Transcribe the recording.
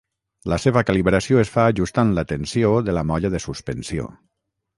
La seva calibració es fa ajustant la tensió de la molla de suspensió.